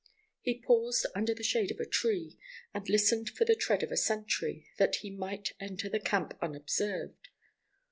He paused under the shade of a tree, and listened for the tread of a sentry, that he might enter the camp unobserved.